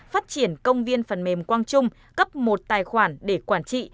phát triển công viên phần mềm quang trung cấp một tài khoản để quản trị